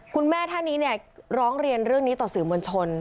คุณแม่ท่านนี้เนี่ยร้องเรียนเรื่องนี้ต่อสื่อมวลชน